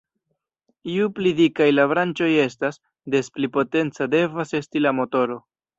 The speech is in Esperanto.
Ju pli dikaj la branĉoj estas, des pli potenca devas esti la motoro.